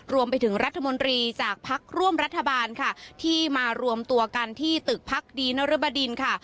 รวมไปถึงรัฐมนตรีจากพักร่วมรัฐบาลค่ะที่มารวมตัวกันที่ตึกพักดีนรบดินค่ะ